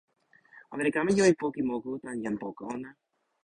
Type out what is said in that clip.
ona li kama jo e poki moku tan jan poka ona.